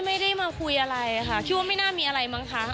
ไม่ได้มาคุยอะไรค่ะคิดว่าไม่น่ามีอะไรมั้งคะ